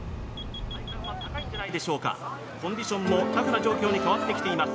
コンディションもタフな状況に変わってきています